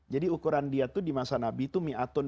jadi ukuran diat itu di masa nabi itu